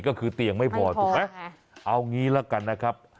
ก็คือเตียงไม่พอไม่พอเอาอย่างงี้แล้วกันนะครับ